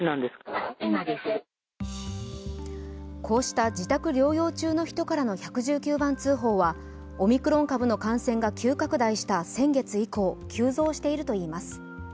こうした自宅療養中の人からの１１９番通報はオミクロン株の感染が急拡大した先月以降、急増しているといいます。